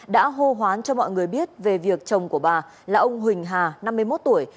đã hô hoán cho mọi người biết về việc chồng của bà là ông huỳnh hà năm mươi một tuổi